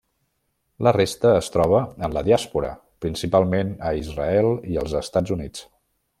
La resta es troba en la diàspora, principalment a Israel i als Estats Units.